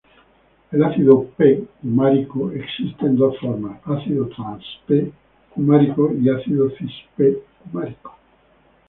El ácido "p"-cumárico existe en dos formas: ácido "trans-p"-cumárico y ácido "cis-p"-cumárico.